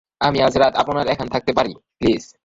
আমি আজ রাত আপনার এখানে থাকতে পারি, প্লিজ।